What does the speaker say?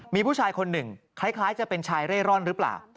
มีผู้ชายคนหนึ่งคล้ายจะเป็นชายเร่ร่อนหรือเปล่า